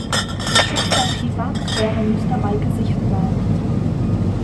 Der Schutz der Privatsphäre muss dabei gesichert sein.